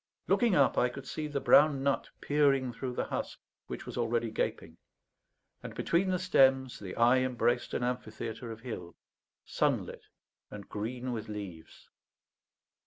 Looking up, I could see the brown nut peering through the husk, which was already gaping; and between the stems the eye embraced an amphitheatre of hill, sunlit and green with leaves.